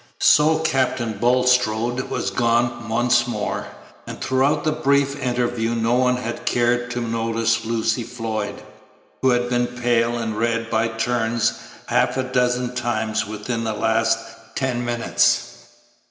So Captain Bulstrode was gone once more, and throughout the brief interview no one had cared to notice Lucy Floyd, who had been pale and red by turns half a dozen times within the last ten minutes.